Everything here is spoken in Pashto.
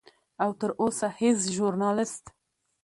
او تر اوسه هیڅ ژورنالست